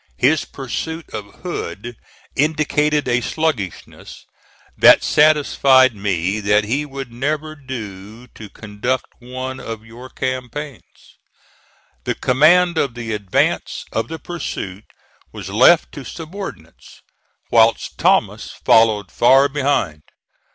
His pursuit of Hood indicated a sluggishness that satisfied me that he would never do to conduct one of your campaigns. The command of the advance of the pursuit was left to subordinates, whilst Thomas followed far behind.